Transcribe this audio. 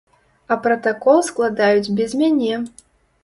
А пратакол складаюць без мяне!